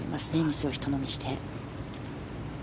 水をひと飲みして。